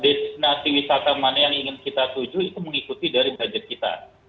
destinasi wisata mana yang ingin kita tuju itu mengikuti dari budget kita